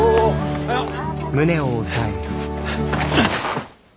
おはよう！